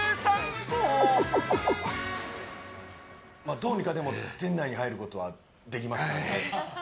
どうにか店内に入ることはできましたね。